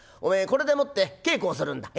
これでもって稽古をするんだ」。